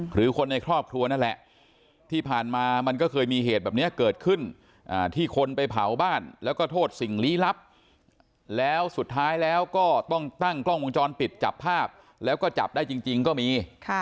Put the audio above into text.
หรือคนในครอบครัวนั่นแหละที่ผ่านมามันก็เคยมีเหตุแบบนี้เกิดขึ้นที่คนไปเผาบ้านแล้วก็โทษสิ่งลี้ลับแล้วสุดท้ายแล้วก็ต้องตั้งกล้องวงจรปิดจับภาพแล้วก็จับได้จริงก็มี